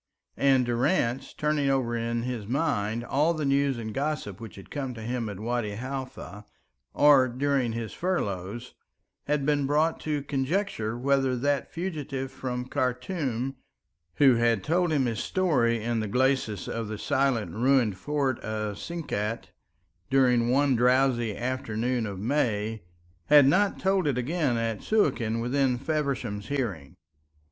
And Durrance, turning over in his mind all the news and gossip which had come to him at Wadi Halfa or during his furloughs, had been brought to conjecture whether that fugitive from Khartum, who had told him his story in the glacis of the silent ruined fort of Sinkat during one drowsy afternoon of May, had not told it again at Suakin within Feversham's hearing.